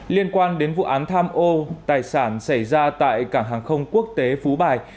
liên quan đến vụ án tham ô tài sản xảy ra tại cảng hàng không quốc tế phú bài